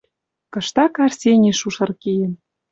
Кыштак Арсений шушыр киэн